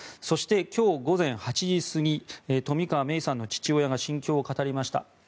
今日午前８時過ぎ冨川芽生さんの父親が心境を語りました。